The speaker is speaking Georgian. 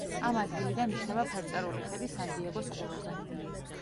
ამ ადგილიდან იშლება ფერწერული ხედი სან-დიეგოს ყურეზე.